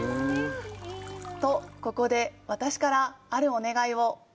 と、ここで私からあるお願いを。